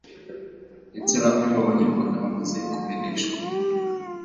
ndetse bamwe mu Banyarwanda bamaze kumeneshwa